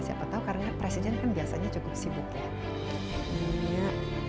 siapa tahu karena presiden kan biasanya cukup sibuk ya